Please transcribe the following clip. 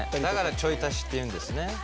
だからちょい足しっていうんですね。